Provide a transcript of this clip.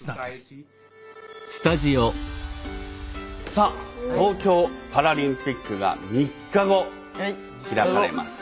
さあ東京パラリンピックが３日後開かれます。